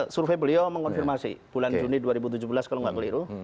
survei beliau mengkonfirmasi bulan juni dua ribu tujuh belas kalau nggak keliru